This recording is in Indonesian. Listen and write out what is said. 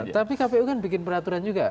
tapi kpu kan bikin peraturan juga